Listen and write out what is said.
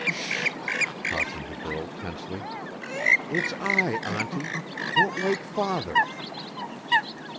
"Ssh!" cautioned the girl, tensely. "It's I, Auntie. Don't wake Father."